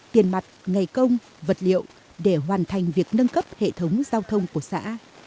tiền mặt ngày công vật liệu để hoàn thành việc nâng cấp hệ thống giao thông của xã